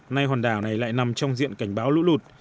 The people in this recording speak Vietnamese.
nay hòn đảo này lại nằm trong diện cảnh báo lũ lụt